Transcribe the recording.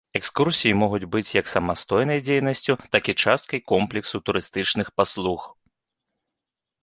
Экскурсіі могуць быць як самастойнай дзейнасцю, так і часткай комплексу турыстычных паслуг.